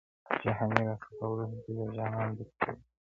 جهاني را څخه ورک دی د جانان د کوڅې لوری -